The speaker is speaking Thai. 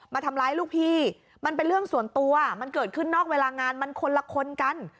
มาทำร้ายลูกพี่มันเป็นเรื่องส่วนตัวมันเกิดขึ้นนอกเวลางานมันคนละคนกัน